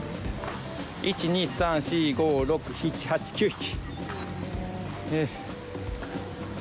１２３４５６７８９匹。